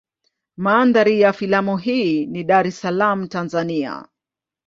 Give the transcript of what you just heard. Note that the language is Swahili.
Mandhari ya filamu hii ni Dar es Salaam Tanzania.